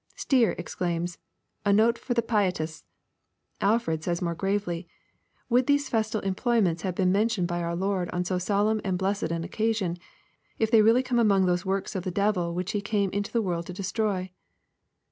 Stier exclaims, "A Note for the Pietists!" Alford says more gravely, " Would these festal employments have been mentioned by our Lord on so solemn and blessed an occasion, if they really come among those works of the devil which He came into the world to destroy